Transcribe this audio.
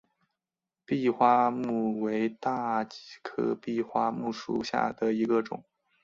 闭花木为大戟科闭花木属下的一个种。